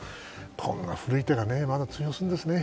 こんな古い手がまだ通用するんですね。